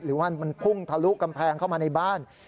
หรือว่ามันพุ่งทะลุกำแพงเข้ามาในบ้าน